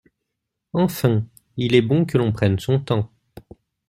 Enfin, il est bon que l’on prenne son temps.